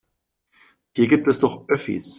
Hier gibt es doch Öffis.